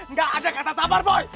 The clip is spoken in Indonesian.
nggak ada kata sabar boy